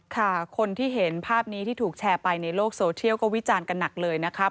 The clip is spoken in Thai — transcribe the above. ค่ะคนที่เห็นภาพนี้ที่ถูกแชร์ไปในโลกโซเชียลก็วิจารณ์กันหนักเลยนะครับ